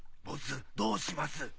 ボスどうします？